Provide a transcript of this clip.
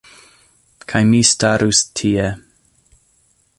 Kaj mi starus tie...